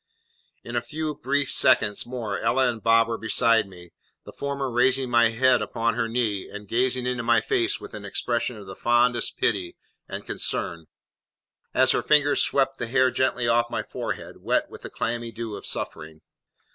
In a few brief seconds more Ella and Bob were beside me, the former raising my head upon her knee, and gazing into my face with an expression of the fondest pity and concern, as her fingers swept the hair gently off my forehead, wet with the clammy dew of suffering.